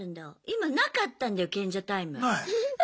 今なかったんだよ賢者タイム。